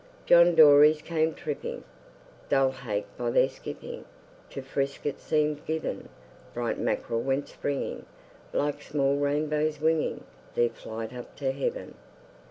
John dories came tripping; Dull hake, by their skipping, To frisk it seem'd given; Bright mackrel went springing, Like small rainbows winging Their flight up to heaven.